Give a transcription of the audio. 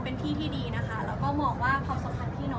รู้สึกดีกับเรามาจีบเราสักที